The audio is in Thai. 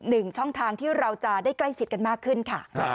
หนึ่งช่องทางที่เราจะได้ใกล้ชิดกันมากขึ้นค่ะ